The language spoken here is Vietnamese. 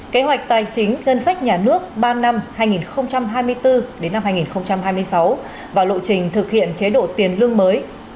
kế hoạch tài chính ngân sách nhà nước ba năm hai nghìn hai mươi bốn năm hai nghìn hai mươi sáu và lộ trình thực hiện chế độ tiền lương mới